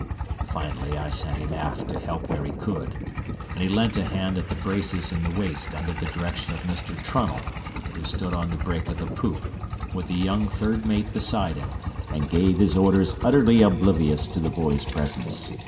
Finally I sent him aft to help where he could, and he lent a hand at the braces in the waist under the direction of Mr. Trunnell, who stood on the break of the poop, with the young third mate beside him, and gave his orders utterly oblivious to the boy's presence.